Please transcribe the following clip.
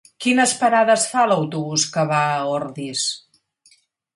Quines parades fa l'autobús que va a Ordis?